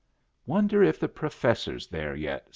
"Wonder if the professor's there yet?"